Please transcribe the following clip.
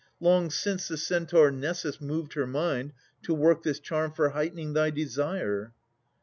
Long since the Centaur Nessus moved her mind To work this charm for heightening thy desire.